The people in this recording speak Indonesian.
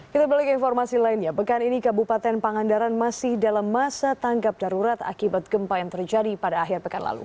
kita balik ke informasi lainnya pekan ini kabupaten pangandaran masih dalam masa tanggap darurat akibat gempa yang terjadi pada akhir pekan lalu